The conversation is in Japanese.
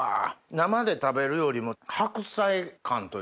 生で食べるよりも白菜感というか。